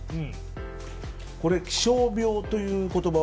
これ、気象病という言葉